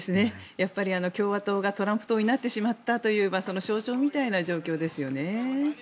やっぱり共和党がトランプ党になってしまったというその象徴みたいな状況ですよね。